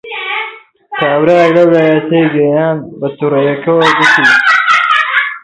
کابرایەک لەولاوە تێی گەیاند، بەتووڕەیییەکەوە گوتی: